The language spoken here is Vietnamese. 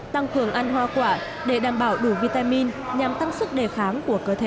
tăng cường ăn hoa quả để đảm bảo đủ vitamin nhằm tăng sức đề kháng của cơ thể